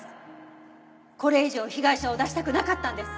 これ以上被害者を出したくなかったんです！